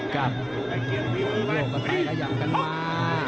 กลับโยกก่อนไประยับกันมา